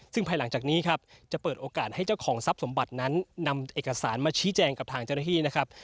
ซึ่งภายหลังจากนี้ครับจะเปิดโอกาสให้เจ้าของทรัพย์สมบัตินั้นนำเอกสารมาชี้แจงกับทางเจ้าหน้าที่นะครับ